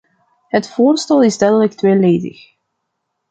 Het voorstel is duidelijk tweeledig.